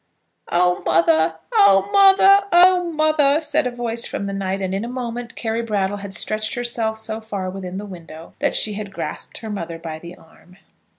"Oh, mother! oh, mother! oh, mother!" said a voice from the night; and in a moment Carry Brattle had stretched herself so far within the window that she had grasped her mother by the arm.